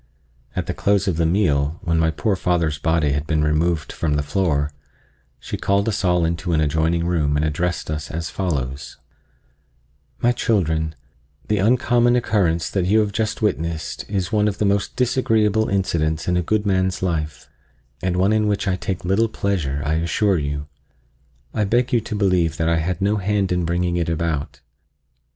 At the close of the meal, when my poor father's body had been removed from the floor, she called us all into an adjoining room and addressed us as follows: "My children, the uncommon occurrence that you have just witnessed is one of the most disagreeable incidents in a good man's life, and one in which I take little pleasure, I assure you. I beg you to believe that I had no hand in bringing it about.